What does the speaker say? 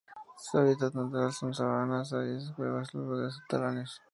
Su hábitat natural son: sabanas áridas cuevas, y los lugares subterráneos